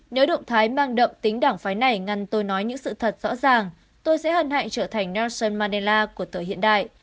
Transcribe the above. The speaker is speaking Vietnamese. nếu động thái mang đậm tính đảng phái này ngăn tôi nói những sự thật rõ ràng tôi sẽ hân hạnh trở thành nanson mandela của tờ hiện đại